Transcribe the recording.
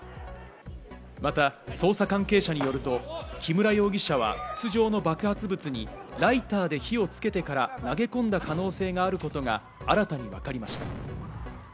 また捜査関係者によると、木村容疑者は筒状の爆発物にライターで火をつけてから投げ込んだ可能性があることが新たに分かりました。